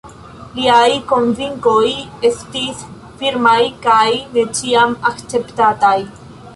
Liaj konvinkoj estis firmaj kaj ne ĉiam akceptataj.